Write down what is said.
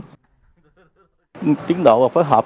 chiến độ phối hợp